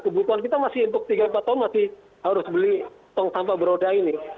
kebutuhan kita masih untuk tiga empat tahun masih harus beli tong sampah beroda ini